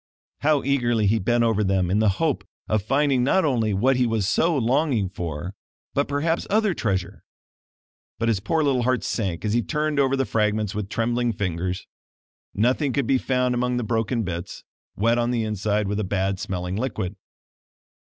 How eagerly he bent over them in the hope of finding not only what he was so longing for but, perhaps, other treasure! But his poor little heart sank as he turned over the fragments with trembling fingers. Nothing could be found among the broken bits, wet on the inside with a bad smelling liquid.